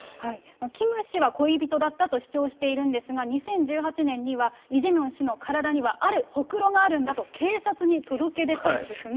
キム氏は恋人だったと主張しているんですが、２０１８年にはイ・ジェミョン氏には体にはあるほくろがあるんだと、警察に届け出たんですね。